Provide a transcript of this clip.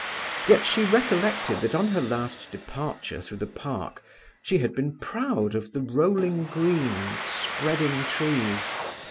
Yet she recollected that on her last departure through the park she had been proud of the rolling green and spreading trees.